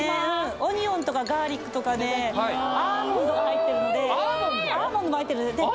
オニオンとかガーリックとかアーモンドが入ってるのでアーモンド入ってんだ！？